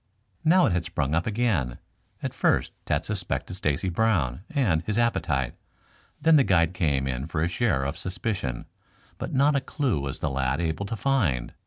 Now it had sprung up again. At first Tad suspected Stacy Brown and his appetite; then the guide came in for a share of suspicion, but not a clue was the lad able to find.